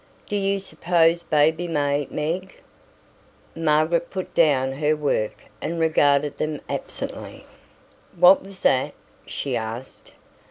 "Do you suppose baby may, Meg?" Margaret put down her work and regarded them absently. "What was that?" she asked.